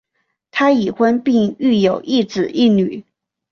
他已婚并育有一子一女。